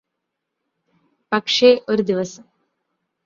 പക്ഷേ ഒരു ദിവസം